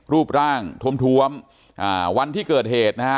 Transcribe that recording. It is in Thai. รูปร่างทวมวันที่เกิดเหตุนะฮะ